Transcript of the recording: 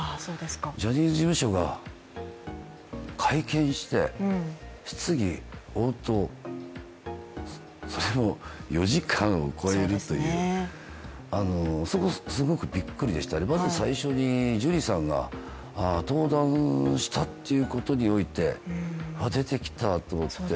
ジャニーズ事務所が会見して、質疑応答、それも４時間を超えるという、すごくびっくりでした、まず最初にジュリーさんが登壇したということにおいてうわっ、出てきたと思って。